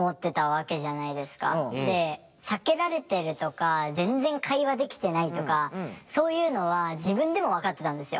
で避けられてるとか全然会話できてないとかそういうのは自分でも分かってたんですよ。